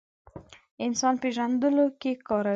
انسان پېژندلو کې کاروي.